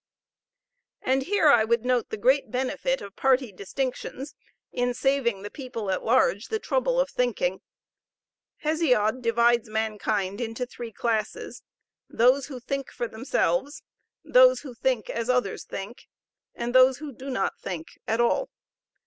And here I would note the great benefit of party distinctions in saving the people at large the trouble of thinking. Hesiod divides mankind into three classes those who think for themselves, those who think as others think, and those who do not think at all.